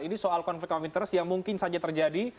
ini soal konflik of interest yang mungkin saja terjadi